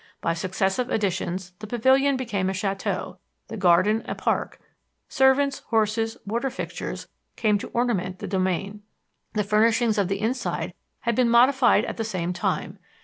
By successive additions the pavilion became a château; the garden, a park; servants, horses, water fixtures came to ornament the domain. The furnishings of the inside had been modified at the same time.